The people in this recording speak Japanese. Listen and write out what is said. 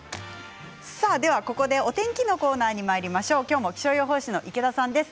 ここでお天気のコーナーにまいりましょう。